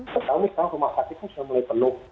kalau misalnya rumah sakit itu sudah mulai penuh